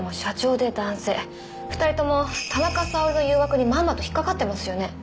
２人とも田中沙織の誘惑にまんまと引っかかってますよね。